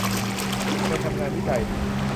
เคยทำงานวิจัย